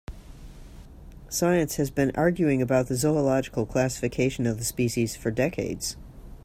Science has been arguing about the zoological classification of the species for decades.